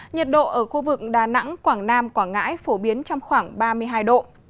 nhiệt độ ở khu vực đà nẵng quảng nam quảng ngãi phổ biến trong khoảng ba mươi hai độ